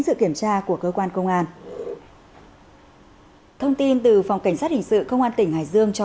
sự kiểm tra của cơ quan công an thông tin từ phòng cảnh sát hình sự công an tỉnh hải dương cho